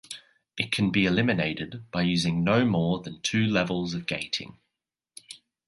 It can be eliminated by using no more than two levels of gating.